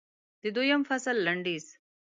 د دویم فصل لنډیز